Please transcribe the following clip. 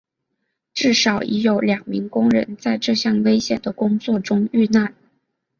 至少已有两名工人在这项危险的工作中遇难。